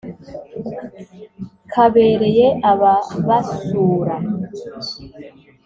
kabereye ababasuura